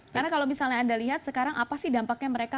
karena kalau misalnya anda lihat sekarang apa sih dampaknya mereka